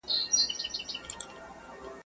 څه به د «میني انتظار» له نامردانو کوو.